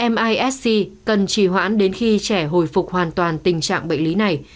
mysc cần trì hoãn đến khi trẻ hồi phục hoàn toàn tình trạng bệnh lý này